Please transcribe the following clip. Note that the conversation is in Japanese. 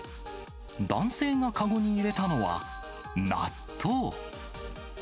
男性が籠に入れたのは納豆。